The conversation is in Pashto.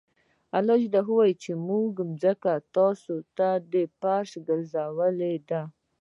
الله ج وایي موږ ځمکه تاسو ته فرش ګرځولې ده.